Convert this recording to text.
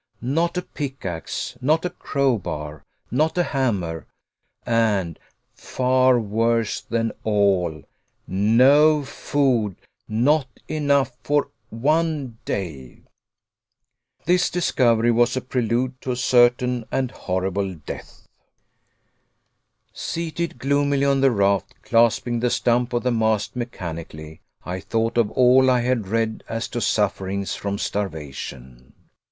Not a pickax, not a crowbar, not a hammer, and, far worse than all, no food not enough for one day! This discovery was a prelude to a certain and horrible death. Seated gloomily on the raft, clasping the stump of the mast mechanically, I thought of all I had read as to sufferings from starvation.